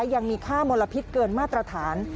ยังมีค่ามลพิษเกินมาตรฐาน